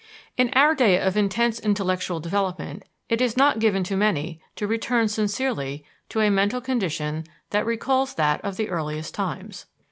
In our day of intense intellectual development, it is not given to many to return sincerely to a mental condition that recalls that of the earliest times.